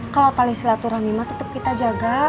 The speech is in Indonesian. kalo tali silaturahmi mah tetep kita jaga